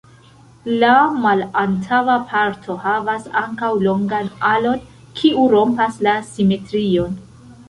La malantaŭa parto havas ankaŭ longan alon, kiu rompas la simetrion.